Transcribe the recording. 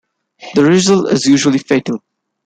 The result is usually fatal.